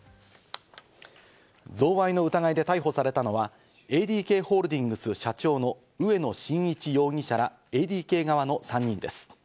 贈賄の疑いで逮捕されたのは、ＡＤＫホールディングス社長の植野伸一容疑者らＡＤＫ側の３人です。